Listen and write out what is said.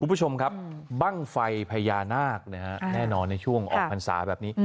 คุณผู้ชมครับบ้างไฟพญานาคนะฮะแน่นอนในช่วงออกพรรษาแบบนี้